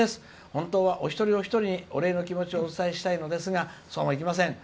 本当はお一人お一人にお礼の気持ちをお伝えしたいのですがそうもいきません。